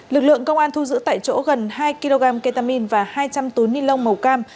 lực lượng công an thu giữ tại chỗ gần hai kg ketamine và hai trăm linh túi ni lông màu cam